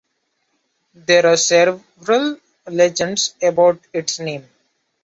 There are several legends about its name.